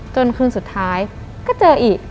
จนคืนสุดท้ายก็เจออีก